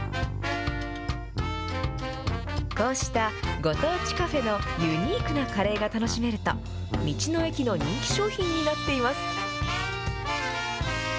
こうしたご当地カフェのユニークなカレーが楽しめると、道の駅の人気商品になっています。